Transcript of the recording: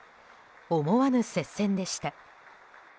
思わぬ接戦でした。